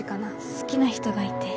好きな人がいて。